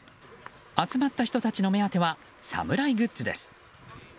集まった人たちの目当ては侍グッズです。